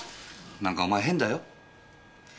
なんかお前変だよ？